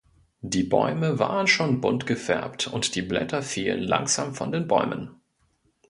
Die Bäume waren schon bunt gefärbt und die Blätter fielen langsam von den Bäumen.